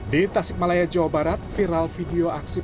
di tasik malaya jawa barat viral video aksi